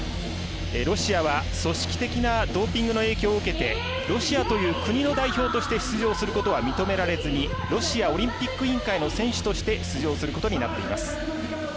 ロシアは組織的なドーピングの影響を受けてロシアという国の代表として出場することは認められずにロシアオリンピック委員会の選手として出場することになっています。